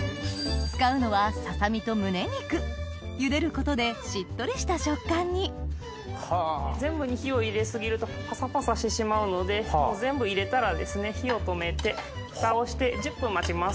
使うのはササミと胸肉茹でることでしっとりした食感に全部に火を入れ過ぎるとパサパサしてしまうので全部入れたらですね火を止めてふたをして１０分待ちます。